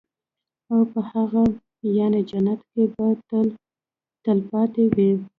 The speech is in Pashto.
او په هغه يعني جنت كي به تل تلپاتي وي